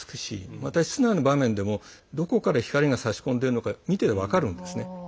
また室内の場面でもどこから光がさし込んでるのか見て分かるんですね。